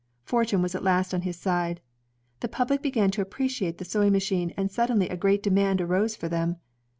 Fortune was at last on his side. The public began to appreciate the sewing machine and suddenly a great demand arose for them.